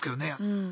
うん。